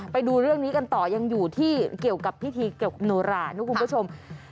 ไปดูเรื่องนี้กันต่อยังอยู่ที่เกี่ยวกับพิธีเก็บโนรานะคุณผู้ชม